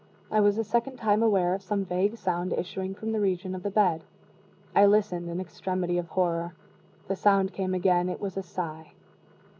I was a second time aware of some vague sound issuing from the region of the bed. I listened in extremity of horror. The sound came again it was a sigh.